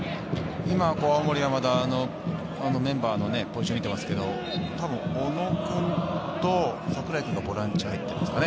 今、青森山田のメンバーのポジションを見てますけど、多分、小野君と櫻井君がボランチに入っていますかね。